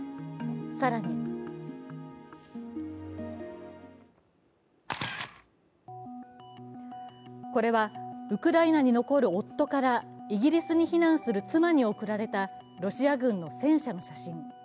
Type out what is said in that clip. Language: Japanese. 更にこれはウクライナに残る夫からイギリスに避難する妻に送られたロシア軍の戦車の写真。